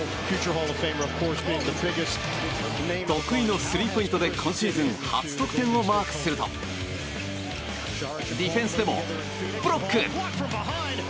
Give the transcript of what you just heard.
得意のスリーポイントで今シーズン初得点をマークするとディフェンスでもブロック！